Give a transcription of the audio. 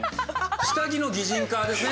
下着の擬人化ですね